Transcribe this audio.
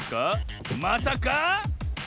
まさか？